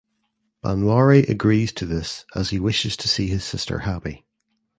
Banwari agrees to this as he wishes to see his sister happy.